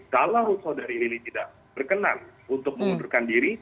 kalau saudari lili tidak berkenan untuk mengundurkan diri